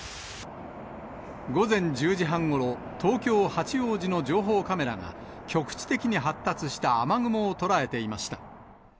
午前１０時半ごろ、東京・八王子の情報カメラが、局地的に発達した雨雲を捉えていました。